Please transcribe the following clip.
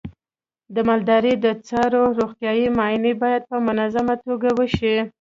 د مالدارۍ د څارویو روغتیايي معاینې باید په منظمه توګه وشي.